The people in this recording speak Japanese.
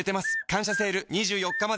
「感謝セール」２４日まで